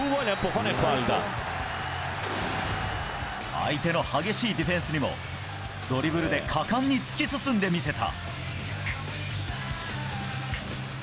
相手の激しいディフェンスにもドリブルで果敢に突き進んでみせた。